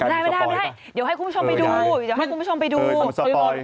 ไม่ได้เดี๋ยวให้คุณผู้ชมไปดูมันสปอยก่อน